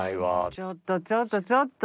ちょっとちょっとちょっと！